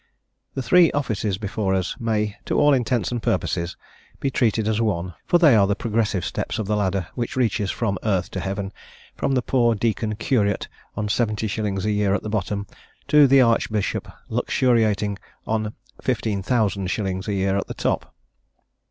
The three offices before us may, to all intents and purposes, be treated as one, for they are the progressive steps of the ladder which reaches from earth to heaven, from the poor deacon curate on 70_l_. a year at the bottom, to the archbishop luxuriating on 15,000_l_. a year at the top.